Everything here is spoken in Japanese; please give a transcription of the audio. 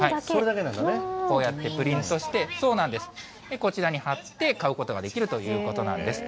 こうやってプリントして、こちらに貼って、買うことができるということなんです。